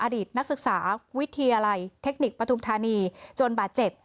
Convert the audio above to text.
อดีตนักศึกษาวิทยาลัยเทคนิคปฐุมธานีจนบาดเจ็บ